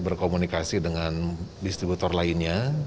berkomunikasi dengan distributor lainnya